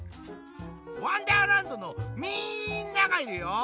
「わんだーらんど」のみんながいるよ！